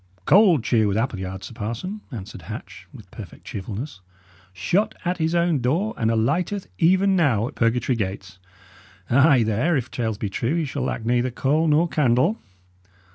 "Cold cheer with Appleyard, sir parson," answered Hatch, with perfect cheerfulness. "Shot at his own door, and alighteth even now at purgatory gates. Ay! there, if tales be true, he shall lack neither coal nor candle."